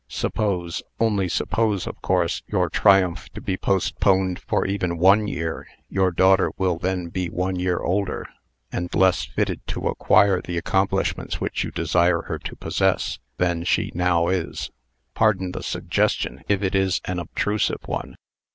Suppose only suppose, of course your triumph to be postponed for even one year; your daughter will then be one year older, and less fitted to acquire the accomplishments which you desire her to possess, than she now is. Pardon the suggestion, if it is an obtrusive one.